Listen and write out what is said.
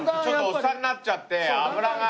オッサンになっちゃって脂が。